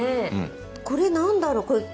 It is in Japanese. これなんだろうこれ。